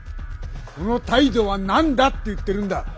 その態度は何だって言ってるんだ！